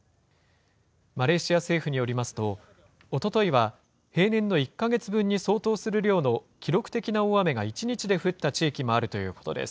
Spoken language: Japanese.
マレーシア政府によりますと、おとといは、平年の１か月分に相当する量の記録的な大雨が１日で降った地域もあるということです。